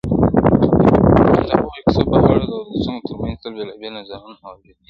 د هغه کيسو په اړه د لوستونکو ترمنځ تل بېلابېل نظرونه موجود وي,